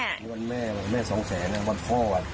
มันวันแม่แม่๒แสนนะวันพ่อ